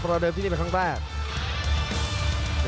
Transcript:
เราเดินที่นี่ไปครั้งแรก